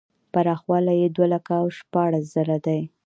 پراخوالی یې دوه لکه او شپاړس زره دی.